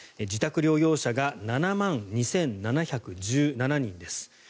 自宅療養者が７万２７１７人です。